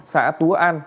xã tú an